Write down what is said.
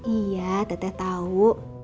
iya teteh tau